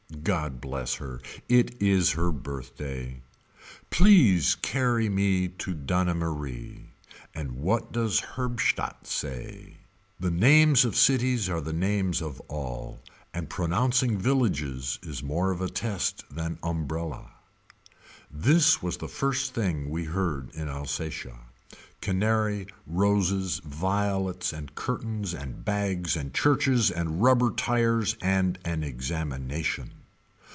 God bless her it is her birthday. Please carry me to Dannemarie. And what does Herbstadt say. The names of cities are the names of all. And pronouncing villages is more of a test than unbrella. This was the first thing we heard in Alsatia. Canary, roses, violets and curtains and bags and churches and rubber tires and an examination.